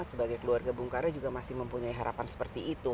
sebagai keluarga bung karno juga masih mempunyai harapan seperti itu